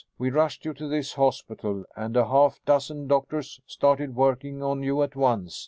We rushed you to this hospital and a half dozen doctors started working on you at once.